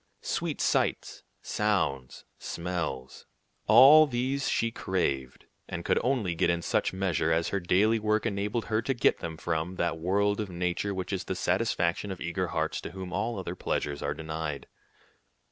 Sweet sights, sounds, smells, all these she craved, and could get only in such measure as her daily work enabled her to get them from that world of nature which is the satisfaction of eager hearts to whom all other pleasures are denied.